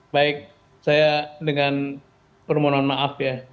baik saya dengan permohonan maaf ya